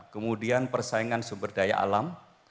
kemudian persaingan sumber daya alam